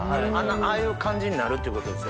ああいう感じになるっていうことですよね。